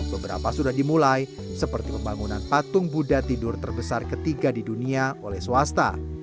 beberapa sudah dimulai seperti pembangunan patung buddha tidur terbesar ketiga di dunia oleh swasta